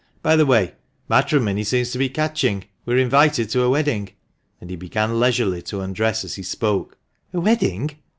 By the way, matrimony seems catching. We are invited to a wedding," and he began leisurely to undress as he spoke. " A wedding